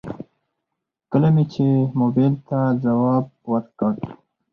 کله مې چې موبايل ته ځواب وکړ.